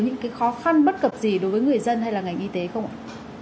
những cái khó khăn bất cập gì đối với người dân hay là ngành y tế không ạ